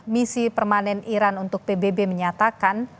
misi permanen iran untuk pbb menyatakan